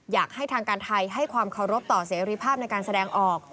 อยากให้ทางการไทยให้ความเคารพต่อเสรีภาพในการแสดงออก